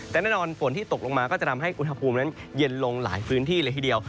แต่แน่นอนฝนที่ตกลงมาก็จะทำให้อุณหภูมินั้นเย็นลงหลายพื้นที่เลยทีเดียว